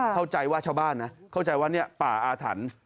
เข้าใจว่าชาวบ้านนะเข้าใจว่าเนี่ยป่าอาถรรพ์